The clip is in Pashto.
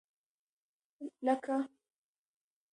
لکه.